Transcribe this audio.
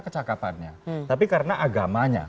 kecakapannya tapi karena agamanya